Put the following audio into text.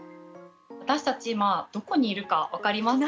私たち今どこにいるか分かりますか？